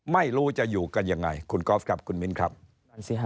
ไม่รู้จะอยู่กันยังไง